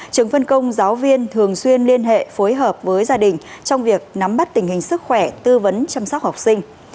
trường phân công giáo viên thường xuyên liên hệ phối hợp với gia đình trong việc nắm bắt tình hình sức khỏe tư vấn chăm sóc học sinh